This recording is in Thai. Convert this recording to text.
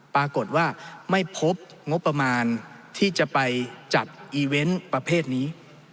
ปรากฏว่าไม่พบงบประมาณที่จะไปจัดอีเวนต์ประเภทนี้